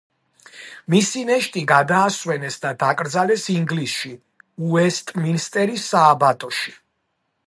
მისი ნეშტი გადაასვენეს და დაკრძალეს ინგლისში, უესტმინსტერის სააბატოში.